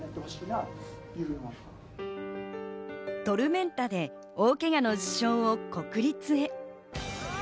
トルメンタで大けがの主将を国立へ。